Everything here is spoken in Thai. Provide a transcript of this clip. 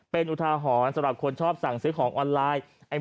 เป็นอุทาหรณ์สำหรับคนชอบสั่งซื้อของออนไลน์